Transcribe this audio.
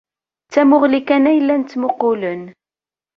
D tamuɣli kan ay llan ttmuqqulen.